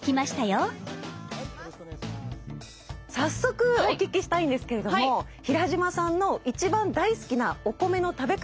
早速お聞きしたいんですけれども平嶋さんの一番大好きなお米の食べ方教えて下さい。